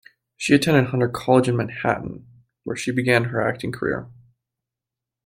She attended Hunter College in Manhattan, where she began her acting career.